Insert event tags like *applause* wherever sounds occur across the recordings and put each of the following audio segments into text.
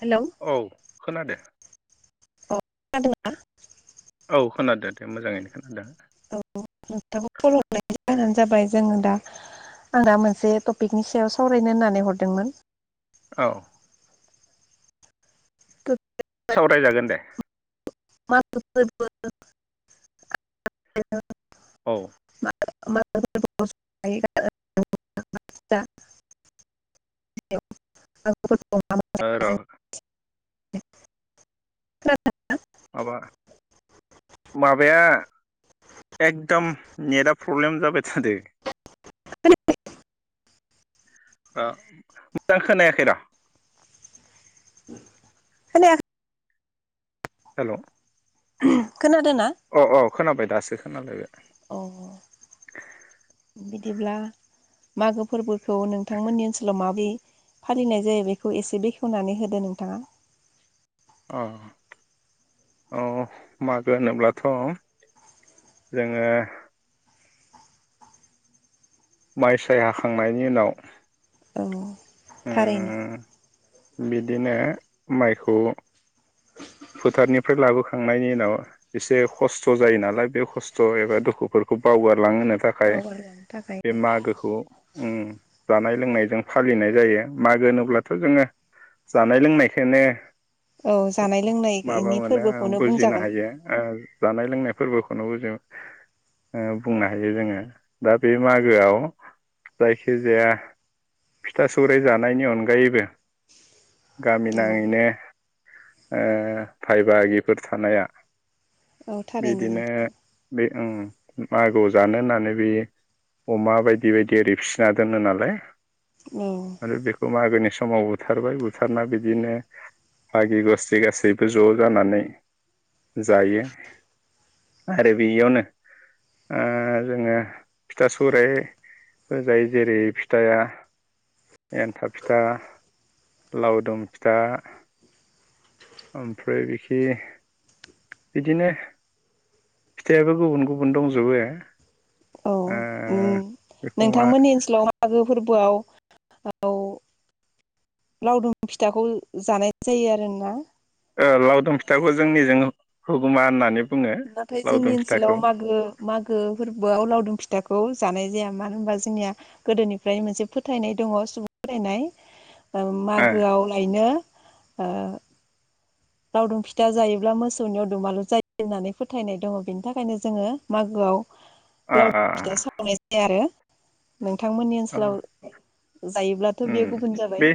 Hello औ खोनादों औ खोनादोंना औ खोनादों दे मोजाङैनो खोनादों औ नोंथांखौ कल हरनायनि जाहोनानो जाबाय जोंङो दा आं दा मोनसे टपिकनि सायाव सावरायनो होननानै हरदोंमोन। औ सावरायजागोन दे *unintelligible* औ *unintelligible* *unintelligible* ओ र *unintelligible* माबा माबाया एकदम नेटआ प्रब्लेम जाबाय थादो *unintelligible* मोजां खोनायाखै र खोनाया हेलौ *inaudible* अ अ खोनाबाय दासो *unintelligible* अ बिदिब्ला मागो फोरबोखौ नोंथांमोननि ओनसोलाव मादि फालिनाय जायो बेखौ एसे बेखेवनानै होदो नोंथाङा। अ औ मागो होनोब्लाथ' जोंङो माय साय हाखांनायनि उनाव औ थारैनो उम बिदिनो मायखौ फोथारनिफ्राय लाबोखांनायनि उनाव एसे खस्थ' जायो नालाय बे खस्थ' एबा दुखुफोरखौ बावगारलां होनो बावगारलांनो थाखाय बे मागोखौ अम अम जानाय लोंनायजों फालिनाय जायो मागो होनोब्लाथ जोंङो जानाय लोंनायखोनो औ जानाय लोंनाय इनि फोरबोखौनो बुजिनो बुंजागोन। हायो ओ जानाय लोंनाय फोरबोखौनो जों ओ बुंनो हायो जोङो दा बे मागोआव जायखिजाया फिथा सौराइ जानायनि अनगायैबो गामि औ नाङैनो ओ भाय बाहागिफोर थानाया औ थारैनो बिदिनो बे ओं मागोआव जानो होननानै बेयो अमा बायदि बायदि एरि फिना दोनो नालाय उम। आरो बेखौ मागोनि समाव बुथारबाय बुथारना बिदिनो फागि गस्थि गासैबो ज' जानानै जायो आरो बेयावनो ओ जोङो फिथा सौराइबो जायो जेरै फिथाया एन्थाब फिथा लावदुम फिथा ओमफ्राय बिखि बिदिनो फिथाआबो गुबुन गुबुन दंजोबो। ओ उम नोंथांमोननि ओनसोलाव मागो फोरबोआव औ लावदुम फिथाखौ जानाय जायो आरोना? ओ लावदुम फिथाखौ जोंनिजों हुगुमा होननानै बुङो नाथाय जोंनि लावदुम ओनसोलाव फिथाखौ मागो मागो फोरबोआव लावदुम फिथा खौ जानाय जाया मानो होनबा जोंनिया गोदोनिफ्राय मोनसे फोथायनाय दङ सुबुं फोथायनाय। ओं ओ मागोआव लायनो ओ। लावदुम फिथा जायोब्ला मोसौनियाव दुमालु जायो होननानै फोथायनाय दङ बेनि थाखायनो जोङो मागोआव अ अ लावदुम फिथा सावनाय जाया आरो। नोंथांमोननि अ ओनसोलाव जायोब्लाथ' उम बेयो गुबुन जाबाय बे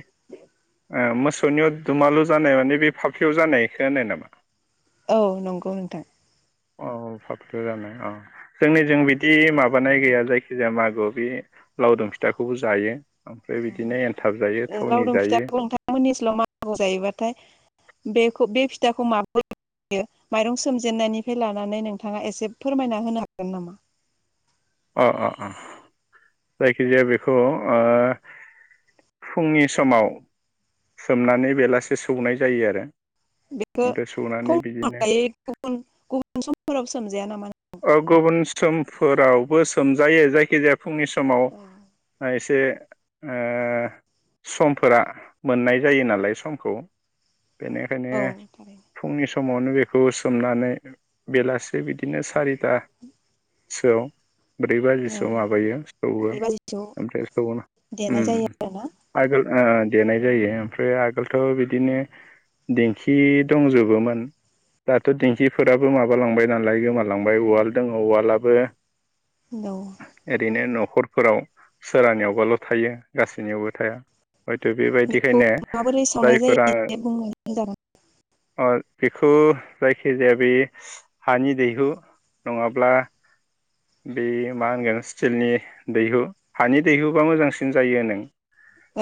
ओ मोसौनियाव दुमालु जानाय माने बे फाफ्लियाव जानायखो होनो नामा? औ नंगौ नोंथां। अ फाफ्लियाव जानाय अ जोंनि जों बिदि माबानाय गैया जायखिजाया मागोआव बे लावदुम फिथाखौबो जायो। ओमफ्राय औ बिदिनो एनथाब जायो ओ थावनि लावदुम जायो फिथाखौ नोंथांमोननि ओनसोलाव मागोआव जायोबाथाय बेखौ बे फिथाखौ माब्ला जायो माइरं सोमजेननायनिफाय लानानै नोंथाङा एसे फोरमायना होनो हागोन नामा? अ अ अ। जायखिजाया बेखौ ओ फुंनि समाव सोमनानै बेलासे सौनाय जायो आरो। बेखो ओमफ्राय सौनानै फुंआव बिदिनो *unintelligible* गुबुन गुबुन समफोराव सोमजाया नामा? ओ गुबुन समफोरावबो सोमजायो जायखिजाया फुंनि समाव औ ओ एसे ओ समफोरा मोननाय जायो नालाय समखौ। बेनिखायनो औ थारैनो फुंनि सम समावनो बेखौ सोमनानै बेलासे बिदिनो ता सोआव ब्रै औ बाजिसोआव माबायो सौवो ब्रै बाजिसोआव ओमफ्राय सौ देनाय जायो आरोना आगोल देनाय जायो। ओमफ्राय आगोलथ' बिदिनो दिंखि दंजोबोमोन दाथ' दिंखिफोराबो माबालांबाय नालाय गोमा लांबाय उवाल दङ उवालाबो औ ओरैनो न' न'खरफोराव सोरानियावबाल' थायो गासैनियावबो थाया। हयथ' बेखौ बेबायदिखायनो माबोरै सावनाय जायो जायफोरा एसे बुंनानै जागोन बेखौ जायखिजाया बे हानि दैहु नङाब्ला बे मा होनगोन स्टिलनि दैहु हानि दैहुबा मोजांसिन जायो नों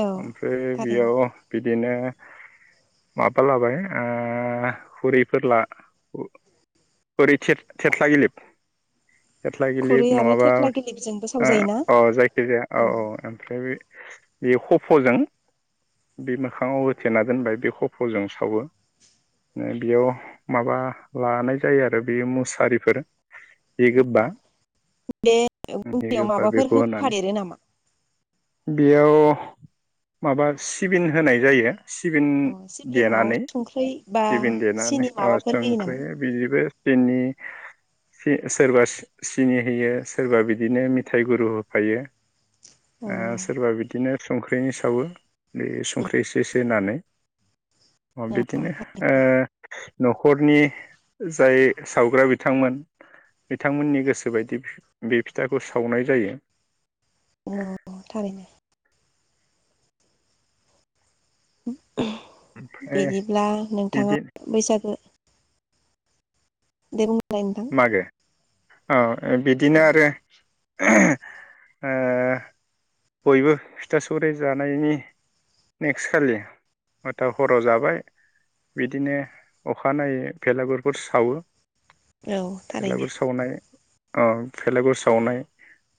औ ओमफ्राय थारैनो बेयाव बि बिदिनो माबा लाबाय ओ खुरैफोर ला खुरै थे थेथ्ला गिलिप थेथ्ला खुरै गिलिप आरो नङाबा थेथ्ला गिलिबजोंबो सावजायोना औ जायखिजाया औ औ ओमफ्राय बे बे खफ'जों बे मोखाङाव होथेना दोनबाय बे खफ'जों सावो बेयाव माबा लानाय जायो आरो बे मुस हारिफोर जि गोबा बे जि ओंख्रियाव गोबा माबाफोर बेखौ होनानै होफादेरो नामा बेयाव माबा सिबिन होनाय जायो। सिबिन अ सिबिङाव देनानै संख्रै बा सिबिन देनानै सिनि माबाफोर होयो नामा? संख्रि बिदिबो बेनि सोरबा सिनि होयो सोरबा बिदिनो मिथाइ गुरु होफायो। औ सोरबा बिदिनो संख्रिनि सावो बे संख्रि इसे इसे होनानै अ औ बिदिनो न'खरनि जाय सावग्रा बिथांमोन बिथांमोननि गोसोबायदि बे फिथाखौ सावनाय जायो। औ थारैनो *unintelligible* ओमफ्राय बिदिब्ला बिदि नोंथाङा बैसागो *unintelligible* दे नोंथां मागो औ औ बिदिनो आरो। ओ बयबो फिथा सौराइ जानायनि नेक्स्ट खालि मथा हराव जाबाय बिदिनो अखाानायनायैै बेलागुरखौ सावो। औ भेलागुर थारैनो सावनाय भेलागुर सावनाय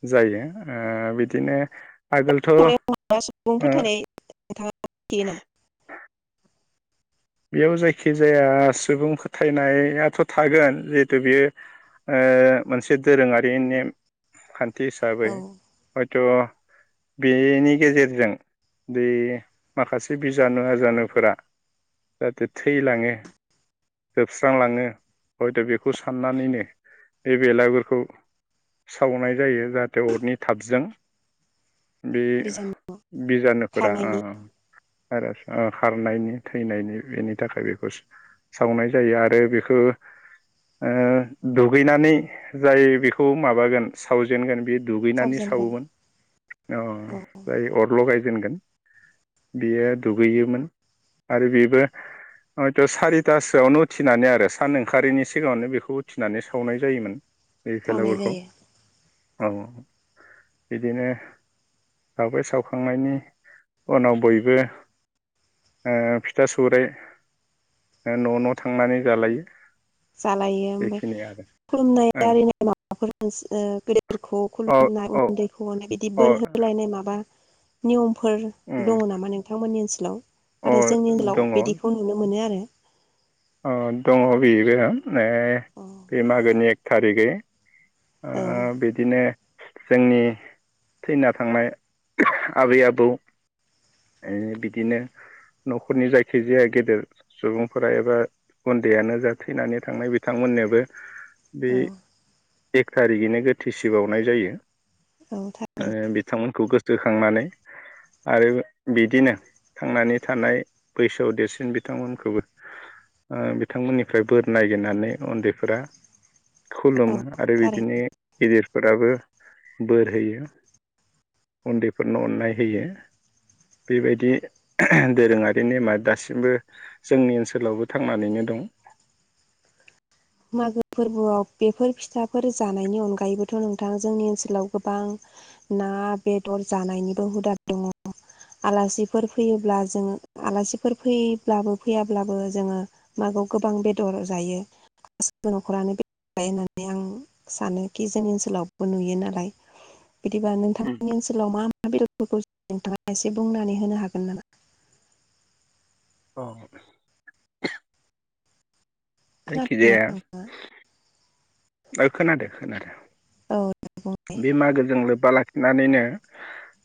जायो बिदिनो आगोलथ' ओ *unintelligible* सुबुं फोथायनाय नोंथाङा मिथियो नामा? बेयाव जायखिजाया सुबुं फोथायनायाथ' थागोन जिहेथु बियो मोनसे दोरोङारि नेमखान्थि। थि औ हिसाबै थ' बेनि गेजेरजों बै माखासे बिजानु आजानुफोरा जाहाथे थैलांङो जोबस्रांलाङो हयथ बेखौ साननानैनो बे बिलाइगुरफोरखौ सावनाय जायो जाहाथे अरनि थाबजों। बे बिजान बिजानुफोरा आ खारनायनि आ आरो खारनायनि फैनायनि बेनि थाखाय बेखौ सावनाय जायो आरो बेखौ ओ दुगैनानै जाय बेखौ माबागोन सावजेनगोन बि दुगैनानै सावजेनगोन सावोमोन जाय अ औ जाय अर लगाय जेनगोन बियो दुगैयोमोन। आरो बेबो हयथ' सारिथासोआवनो उथिनानै आरो सान ओंखारैनि सिगांङावनो बेखौ उथिनानै सावनाय जायोमोन। बे सावनाय भेलाबुरखौ जायो औ बिदिनो आवबो सावखांनायनि उनाव बयबो ओ फिथा सौराय न' न' थांनानै जालायो। जालायो ओमफ्राय बेखिनि आरो खुलुमनाय ओं आरिनाय माबाफोर ओनस गोदै फोरखौ खुलुमनाय औ उन्दैखौनाय बिदि औ बोर अ होलायनाय माबा निउ फोर उम दंङ नामा नोंथांमोननि ओनसो लौ अ नाथाय जोंनि ओनसोलाव दङ बिदिखौ नुनो मोनो आरो। अ दंङ बेबो। एह अ बे मागोनि एक थारिगै ओ औ बिदिनो जोंनि थैना थांनाय आबै आबौ ओ बिदिनो नखरनि जायखिजाया गेदेर सुबुंफोरा एबा उन्दैयानो जा थैनानै थांनाय बिथांमोननोबो बे औ एक थारिखैनो गोथेसिबावनाय जायो। औ ओ थारैनो बिथांमोनखौ गोसो जोखांनानै आरो बिदिनो थांनानै थानाय बैसोआव देरसिन बिथांमोनखौबो ओ बिथांमोननिफ्राय बोर नागिरनानै उन्दैफोरा खुलुमो औ आरो थारैनो बिदिनो गिदिर फोराबो बोर होयो उन्दैफोरनो अननाय होयो बेबायदि दोरोंङारि नेमा दासिमबो जोंनि ओनसोलाव थांनानैनो दं। मागो फोरबोआव बेफोर फिथाफोर जानायनि अनगायैबोथ' नोंथां जोंनि ओनसोलाव गोबां ना बेदर जानायनिबो हुदा दंङ। आलासिफोर फैयोब्ला जोंङो आलासिफोर फैब्लाबो फैयाब्लाबो जोंङो मागो गोबां बेदर जायो। गासिबो न'खरानो बेदर जायो होननानै आं सानोखि जोंनि ओनसोलावबो नुयो नालाय बिदिबा नोंथांनि ओनसोलाव मा मा बेदरफोरखौ नोंथाङा एसे बुंनानै होनो हागोन नामा? अह जायखि खोनादोंना? जाया ओ खोनादो खोनादो। औ बुंनाय बे मागोजों लोब्बा लाख नानैनो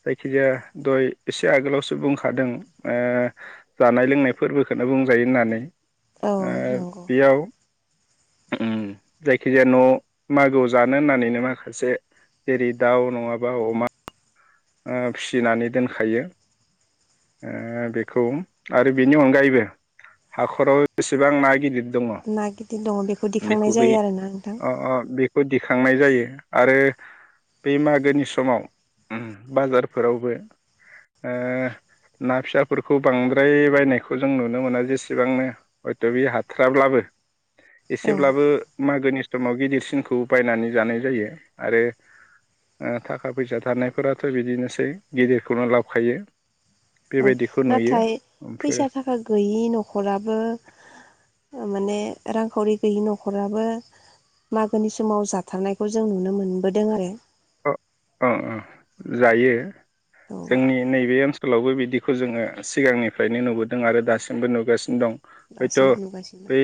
जायखिजाया दय एसे आगोलावसो बुंखादों ओ जानाय लोंनाय फोर्बोखोनो बुंजायो होननानै। औ ओ नंगौ बेयाव ओम जायखिजाया न' मागोआव जानो होननानैनो माखासे जेरै दाउ नङाबा अमा। ओ फिनानै दोनखायो ओ बेखौ आरो बेनि अनगायैबो हाखराव जेसेबां ना गिदिर दङ ना गिदिर दङ बेखौ दिखांनाय जायो आरोना नोंथां। बो दिखांनाय जायो आरो बे मागोनि समाव उम बाजारफोरावबो ओ ना फिसाफोरखौ बांद्राय बायनायखौ जों नुनो मोना जेसेबांनो हयथ' बि हाथाराब्लाबो औ एसेब्लाबो मागोनि समाव गिदिरसिनखौ बायनानै जानाय जायो आरो ओ थाखा फैसा थानाय फोराथ' बिदिनोसै गिदिरखौनो लाबखायो। ओ नाथाय फैसा थाखा गैयि न'खराबो माने रांखावरि गैयि न'खराबो मागोनि समाव जाथारनायखौ जों नुनो मोनबोदों आरो। ओ ओ ओ जायो। औ जोंनि नैबे ओनस लावबो बिदिखौ जोङो सिगांनिफ्रायनो नुबोदों आरो दासिमबो नुगासिनो दं। हयथ' दासिमबो नुगासिनो दं। बै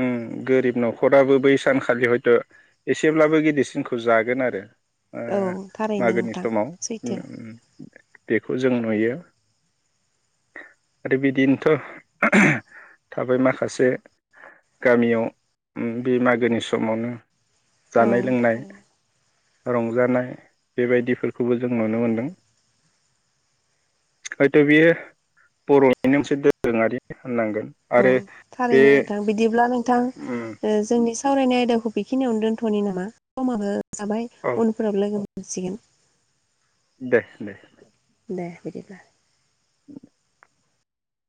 उम गोरिब न'खराबो बै सानखालि हयत' एसेब्लाबो गिदिरसिनखौ जागोन आरो। ओ औ थारैनो मागोनि नोंथां समाव सैथो *unintelligible* बेखौ जों नुयो आरो बिदिनोथ' थाबाय माखासे गामियाव बे मागोनि समावनो औ जानाय लोंनाय। थारैनो रंजानाय बेबायदिफोरखौबो जों नुनो मोनदों हयत' बियो बर'निनो मोनसे दोरोङारि होननांगोन। आरो बे थारैनो नोंथां बिदिब्ला नोंथां जोंनि सावरायनाय आयदाखौ बेखिनियावनो दोनथ'नि नामा समाबो जाबाय औ उनफोराव लोगो मोनसिगोन। दे दे। दे बिदिब्ला। *inaudible*